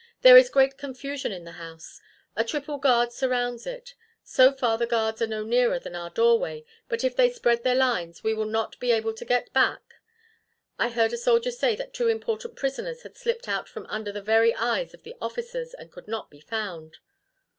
"There is great confusion in the house. A triple guard surrounds it. So far the guards are no nearer than our doorway, but if they spread their lines we will not be able to get back. I heard a soldier say that two important prisoners had slipped out from under the very eyes of the officers and could not be found.